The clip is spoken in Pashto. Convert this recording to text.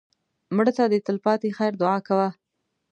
مړه ته د تل پاتې خیر دعا کوه